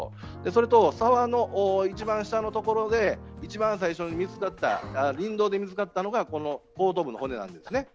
それと沢の一番したの所で最初に林道で見つかったのがこの後頭部の骨なんですね。